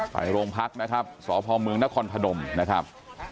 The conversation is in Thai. ไปลงพักนะครับ